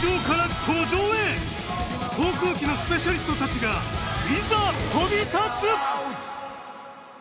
航空機のスペシャリストたちがいざ飛び立つ！